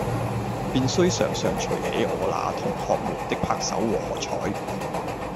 便須常常隨喜我那同學們的拍手和喝采。